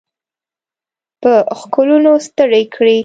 په ښکلونو ستړي کړي